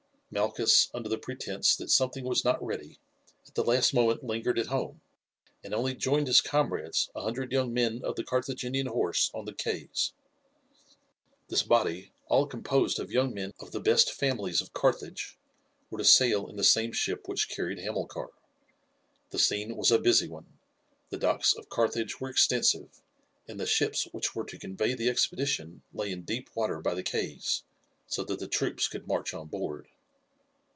Malchus, under the pretense that something was not ready, at the last moment lingered at home, and only joined his comrades, a hundred young men of the Carthaginian horse, on the quays. This body, all composed of young men of the best families of Carthage, were to sail in the same ship which carried Hamilcar. The scene was a busy one the docks of Carthage were extensive, and the ships which were to convey the expedition lay in deep water by the quays, so that the troops could march on board.